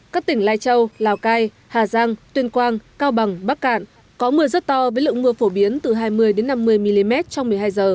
các tỉnh lai châu lào cai hà giang tuyên quang cao bằng bắc cạn có mưa rất to với lượng mưa phổ biến từ hai mươi năm mươi mm trong một mươi hai h